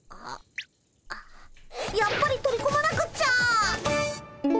やっぱり取り込まなくっちゃ！